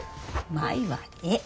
舞はええ。